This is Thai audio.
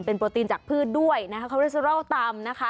เป็นโปรตีนจากพืชด้วยนะคะคอริเซรอลตำนะคะ